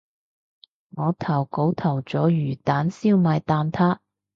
我投稿投咗魚蛋燒賣蛋撻